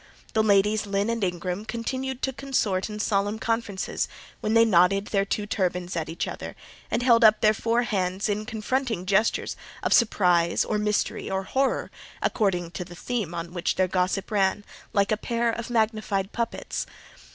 The Ladies Lynn and Ingram continued to consort in solemn conferences, where they nodded their two turbans at each other, and held up their four hands in confronting gestures of surprise, or mystery, or horror, according to the theme on which their gossip ran, like a pair of magnified puppets.